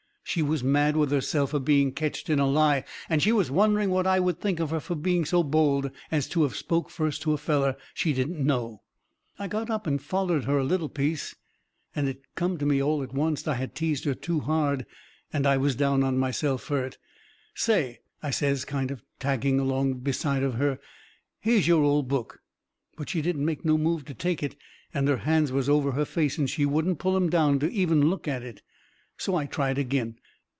She was mad with herself fur being ketched in a lie, and she was wondering what I would think of her fur being so bold as to of spoke first to a feller she didn't know. I got up and follered her a little piece. And it come to me all to oncet I had teased her too hard, and I was down on myself fur it. "Say," I says, kind of tagging along beside of her, "here's your old book." But she didn't make no move to take it, and her hands was over her face, and she wouldn't pull 'em down to even look at it. So I tried agin.